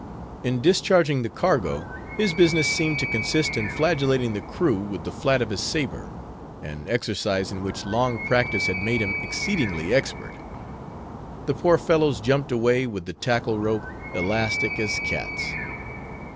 In discharging the cargo, his business seemed to consist in flagellating the crew with the flat of his saber, an exercise in which long practice had made him exceedingly expert. The poor fellows jumped away with the tackle rope, elastic as cats.